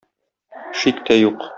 Шик тә юк.